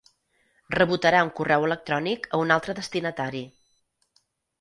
Rebotarà un correu electrònic a un altre destinatari.